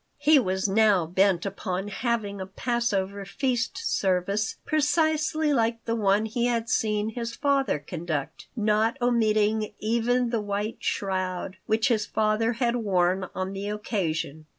He was now bent upon having a Passover feast service precisely like the one he had seen his father conduct, not omitting even the white shroud which his father had worn on the occasion.